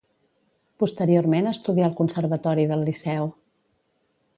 Posteriorment estudià al Conservatori del Liceu.